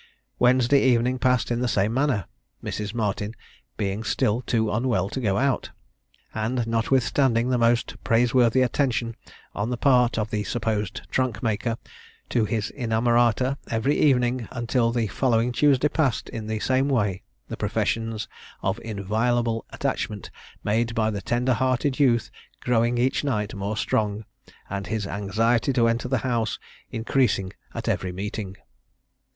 Wednesday evening passed in the same manner, Mrs. Martin being still too unwell to go out; and notwithstanding the most praiseworthy attention on the part of the supposed trunk maker to his inamorata, every evening until the following Tuesday passed in the same way, the professions of inviolable attachment made by the tender hearted youth growing each night more strong, and his anxiety to enter the house increasing at every meeting.